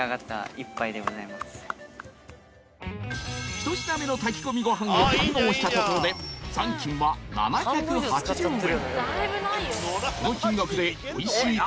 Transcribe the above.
１品目の炊き込みごはんを堪能したところで残金は７８０円